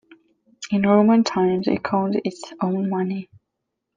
In Roman times, it coined its own money.